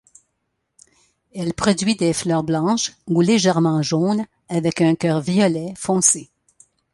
Elle produit des fleurs blanches ou légèrement jaunes avec un cœur violet foncé.